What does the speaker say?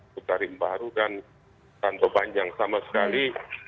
ketarim baru dan ranto panjang sama sekali